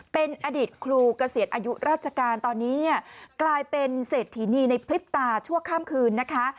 เป็นอดีตครูเกษียณอายุราชการตอนนี้เนี่ยกลายเป็นเศรษฐีนีในพลิบตาชั่วข้ามคืนนะคะ